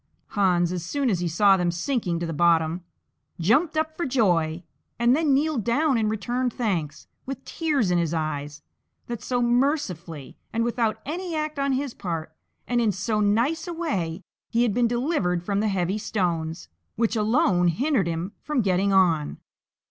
Hans, as soon as he saw them sinking to the bottom, jumped up for joy, and then kneeled down and returned thanks, with tears in his eyes, that so mercifully, and without any act on his part, and in so nice a way, he had been delivered from the heavy stones, which alone hindered him from getting on.